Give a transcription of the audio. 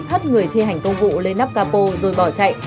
hất người thi hành công vụ lên nắp capo rồi bỏ chạy